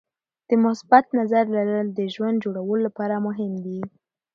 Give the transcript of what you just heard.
د مثبت نظر لرل د ژوند جوړولو لپاره مهم دي.